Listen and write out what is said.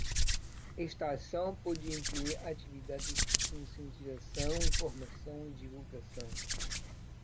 Esta ação pode incluir atividades de conscientização, informação e divulgação.